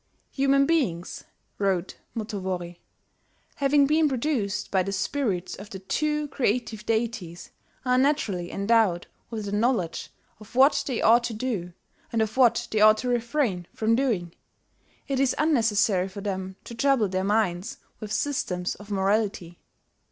"Human beings," wrote Motowori, "having been produced by the spirits of the two Creative Deities, are naturally endowed with the knowledge of what they ought to do, and of what they ought to refrain from doing. It is unnecessary for them to trouble their minds with systems of morality.